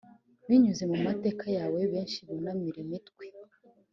binyuze mu mateka yawe benshi bunamure imitwe